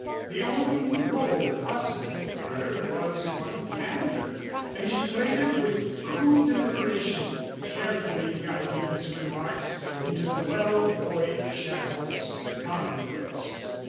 The only rôle possible for her was one of candor, and she played it with cool deliberation, carefully guiding his remarks into the well buoyed channels of the commonplace.